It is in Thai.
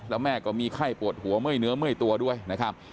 แล้วแม่ก็มีไข้ปวดหัวเมื่อยเนื้อเมื่อยตัวด้วยนะครับ